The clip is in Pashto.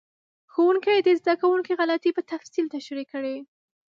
ښوونکي د زده کوونکو غلطۍ په تفصیل تشریح کړې.